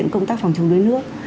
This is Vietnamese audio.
công tác phòng chống đuối nước